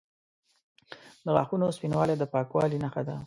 د غاښونو سپینوالی د پاکوالي نښه ده.